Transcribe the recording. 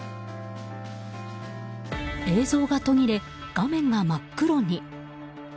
映像が途切れ、画面が真っ黒に。